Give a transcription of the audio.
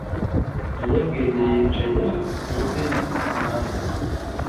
umunyabwenge yicaye munsi yigiti cyumuhanda